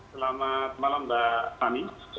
selamat malam mbak kami